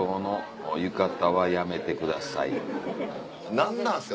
何なんすか。